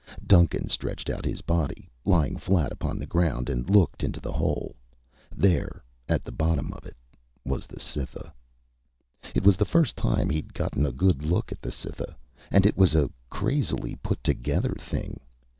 Duncan stretched out his body, lying flat upon the ground, and looked into the hole. There, at the bottom of it, was the Cytha. It was the first time he'd gotten a good look at the Cytha and it was a crazily put together thing.